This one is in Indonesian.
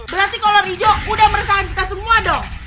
berarti kolor hijau udah meresahkan kita semua dong